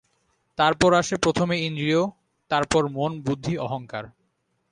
তারপর আসে প্রথমে ইন্দ্রিয়, তারপর মন, বুদ্ধি, অহঙ্কার।